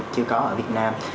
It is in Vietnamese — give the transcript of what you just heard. chưa có ở việt nam